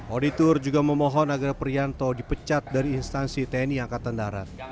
auditor juga memohon agar prianto dipecat dari instansi tni angkatan darat